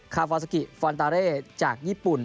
คาฟอสกิฟอนตาเลจากญี่ปุ่น